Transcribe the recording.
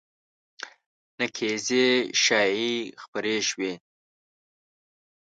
نقیضې شایعې خپرې شوې